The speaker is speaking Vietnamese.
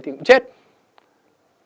thì cũng chết ngạt